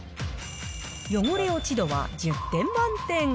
汚れ落ち度は１０点満点。